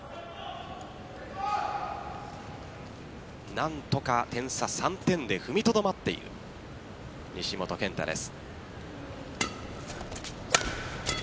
何とか、点差３点で踏みとどまっている西本拳太です。